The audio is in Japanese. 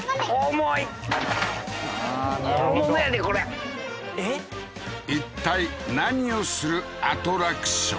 大物やでこれいったい何をするアトラクション？